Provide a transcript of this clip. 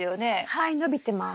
はい伸びてます。